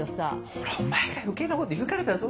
ほらお前が余計なこと言うからだぞ。